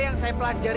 yang saya pelajari